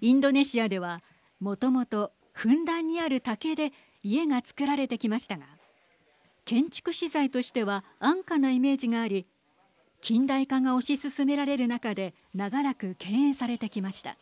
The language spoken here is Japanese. インドネシアでは、もともとふんだんにある竹で家がつくられてきましたが建築資材としては安価なイメージがあり近代化が推し進められる中で長らく敬遠されてきました。